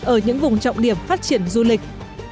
ở những vùng trọng điểm phát triển du lịch